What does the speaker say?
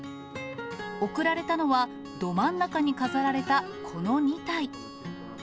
贈られたのは、ど真ん中に飾られたこの２体。